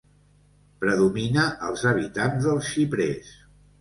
Predomina als habitants dels xiprers.